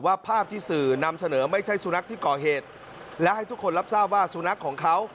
ภาพที่สื่อนำเสนอไม่ใช่สุนัขที่ก่อเหตุและให้ทุกคนรับทราบว่าสุนัขของเขา